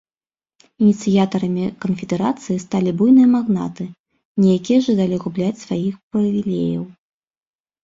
Ініцыятарамі канфедэрацыі сталі буйныя магнаты, не якія жадалі губляць сваіх прывілеяў.